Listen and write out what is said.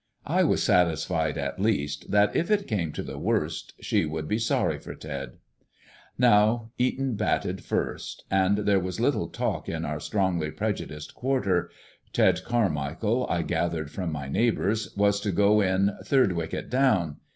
I was satisfied, at least, that if it came to the worst she would be sorry for Ted. Now, Eton batted first, and there was little talk in our strongly prejudiced quarter. Ted Carmichael, I gathered from my neighbours, was to go in "third wicket down."